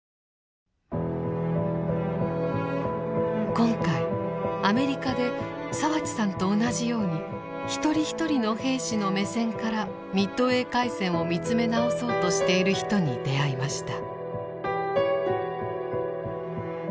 今回アメリカで澤地さんと同じように一人一人の兵士の目線からミッドウェー海戦を見つめ直そうとしている人に出会いました。